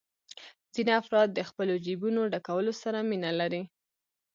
ځینې افراد د خپلو جېبونو ډکولو سره مینه لري